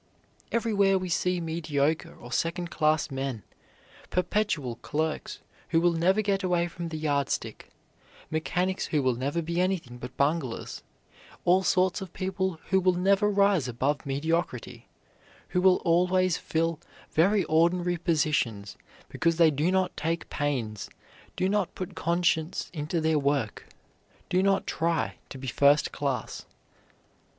Everywhere we see mediocre or second class men perpetual clerks who will never get away from the yardstick; mechanics who will never be anything but bunglers, all sorts of people who will never rise above mediocrity, who will always fill very ordinary positions because they do not take pains, do not put conscience into their work, do not try to be first class.